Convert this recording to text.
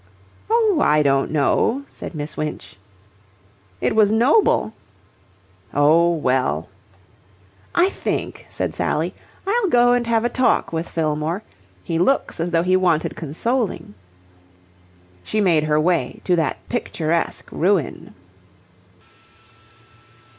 "Oh, I don't know," said Miss Winch. "It was noble." "Oh, well!" "I think," said Sally, "I'll go and have a talk with Fillmore. He looks as though he wanted consoling." She made her way to that picturesque ruin.